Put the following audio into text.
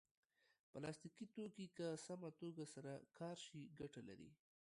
پلاستيکي توکي که سمه توګه سره کار شي ګټه لري.